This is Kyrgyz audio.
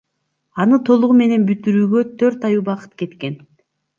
Аны толугу менен бүтүрүүгө төрт ай убакыт кеткен.